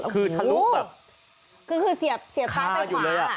คือเสียบขาในขวา